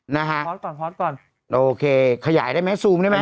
นะฮะพอร์ตก่อนพอร์ตก่อนโอเคขยายได้ไหมซูมได้ไหม